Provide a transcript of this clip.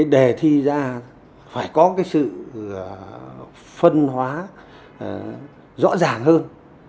đề thi ra phải có cái sự phân hóa rõ ràng hơn